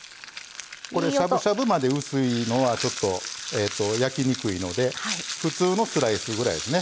これしゃぶしゃぶまで薄いのはちょっと焼きにくいので普通のスライスぐらいですね。